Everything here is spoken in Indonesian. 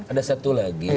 ada satu lagi